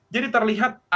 jadi terlihat ada